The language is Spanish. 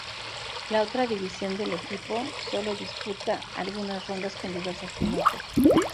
La otra división del equipo sólo disputa algunas rondas, con diversos pilotos.